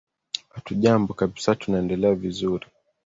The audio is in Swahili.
hatujambo kabisa tunaendelea vizuri